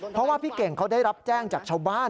เพราะว่าพี่เก่งเขาได้รับแจ้งจากชาวบ้าน